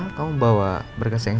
bel kamu bawa berkasnya yang